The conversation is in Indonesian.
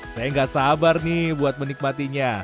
saya nggak sabar nih buat menikmatinya